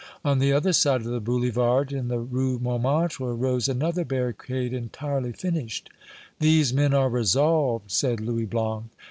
On the other side of the Boulevard, in the Rue Montmartre, rose another barricade entirely finished. "These men are resolved," said Louis Blanc.